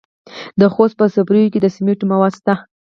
د خوست په صبریو کې د سمنټو مواد شته.